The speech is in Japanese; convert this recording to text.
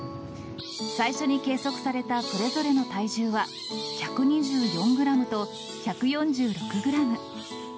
最初に計測されたそれぞれの体重は、１２４グラムと１４６グラム。